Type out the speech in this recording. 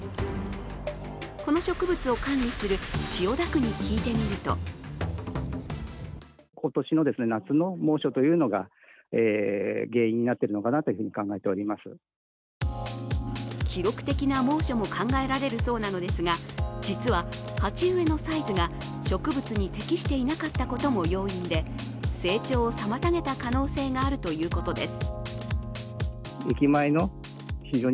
この植物を管理する千代田区に聞いてみると記録的な猛暑も考えられるそうなのですが、実は鉢植えのサイズが植物に適していなかったことも要因で成長を妨げた可能性もあるということです。